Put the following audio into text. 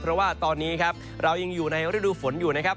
เพราะว่าตอนนี้ครับเรายังอยู่ในฤดูฝนอยู่นะครับ